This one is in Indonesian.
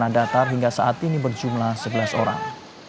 lima datar hingga saat ini berjumlah sebelas orang